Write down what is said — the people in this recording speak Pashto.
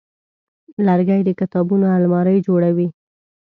لرګی د کتابونو المارۍ جوړوي.